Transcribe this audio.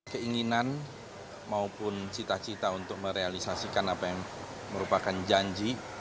keinginan maupun cita cita untuk merealisasikan apa yang merupakan janji